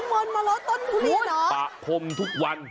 เอาน้ำมนต์มาลดต้นกูดีเหรอปะพ่มทุกวัน